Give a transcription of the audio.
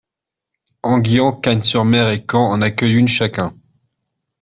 Enghien, Cagnes-sur-Mer et Caen en accueillent une chacun.